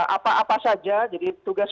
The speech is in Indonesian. apa apa saja jadi tugas